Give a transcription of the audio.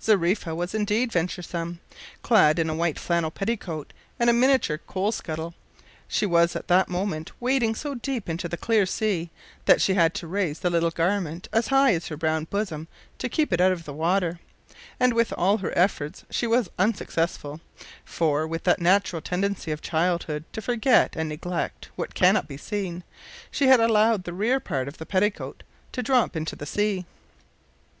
Zariffa was indeed venturesome. Clad in a white flannel petticoat and a miniature coal scuttle, she was at that moment wading so deep into the clear sea that she had to raise the little garment as high as her brown bosom to keep it out of the water; and with all her efforts she was unsuccessful, for, with that natural tendency of childhood to forget and neglect what cannot be seen, she had allowed the rear part of the petticoat to drop into the sea.